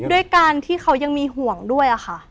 ด้วยการที่เขายังมีห่วงด้วยค่ะ